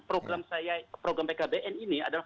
program saya program pkbn ini adalah